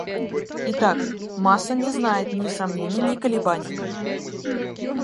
Итак, масса не знает ни сомнений, ни колебаний.